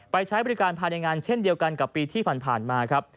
ใช้บริการภายในงานเช่นเดียวกันกับปีที่ผ่านมาครับ